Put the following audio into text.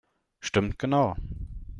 Stimmt genau!